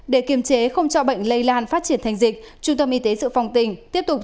để kiềm chế không cho bệnh lây lan phát triển thành dịch trung tâm y tế sự phòng tỉnh tiếp tục